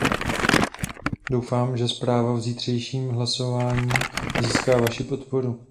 Doufám, že zpráva v zítřejším hlasování získá vaši podporu.